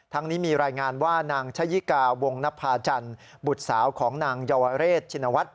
นี้มีรายงานว่านางชะยิกาวงนภาจันทร์บุตรสาวของนางเยาวเรชชินวัฒน